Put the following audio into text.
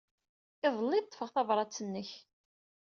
Iḍelli ay d-ḍḍfeɣ tabṛat-nnek.